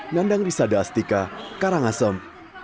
nandang risada astika karangasem